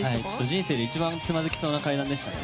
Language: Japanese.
人生で一番つまずきそうな階段でしたね。